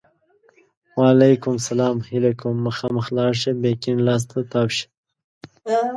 وعلیکم سلام! هیله کوم! مخامخ لاړ شه! بیا کیڼ لاس ته تاو شه!